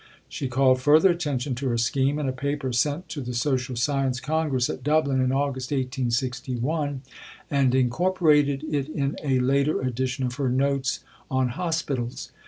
She called further attention to her scheme in a paper sent to the Social Science Congress at Dublin in August 1861, and incorporated it in a later edition of her Notes on Hospitals.